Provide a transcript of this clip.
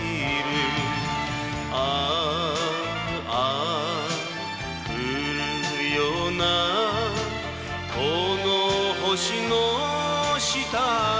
「ああ降るようなこの星の下で」